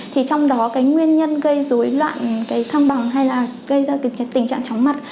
thì trong đó cái nguyên nhân gây dối loạn cái thăng bằng hay là gây ra kịp cái tình trạng chóng mặt